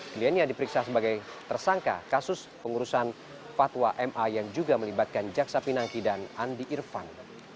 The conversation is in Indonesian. kliennya diperiksa sebagai tersangka kasus pengurusan fatwa ma yang juga melibatkan jaksa pinangki dan andi irfan